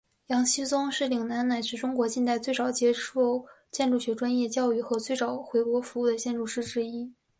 杨锡宗是岭南乃至中国近代最早接受建筑学专业教育和最早回国服务的建筑师之一。